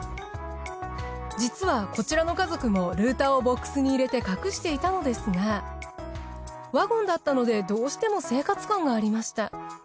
実はこちらの家族もルーターをボックスに入れて隠していたのですがワゴンだったのでどうしても生活感がありました。